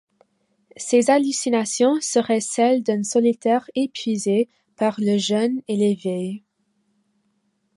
Ces hallucinations seraient celle d'un solitaire épuisé par le jeûne et les veilles.